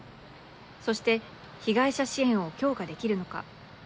そして被害者支援を強化できるのか。